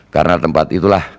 karena tempat itulah